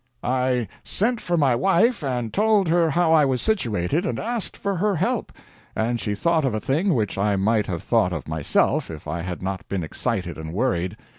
"I sent for my wife and told her how I was situated, and asked for her help, and she thought of a thing which I might have thought of myself, if I had not been excited and worried.